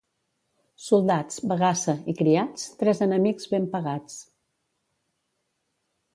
Soldats, bagassa i criats, tres enemics ben pagats.